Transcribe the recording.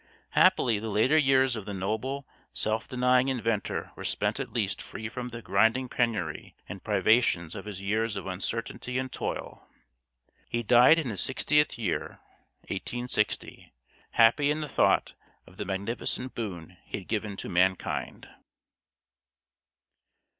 Happily the later years of the noble, self denying inventor were spent at least free from the grinding penury and privations of his years of uncertainty and toil. He died in his sixtieth year (1860), happy in the thought of the magnificent boon he had given to mankind.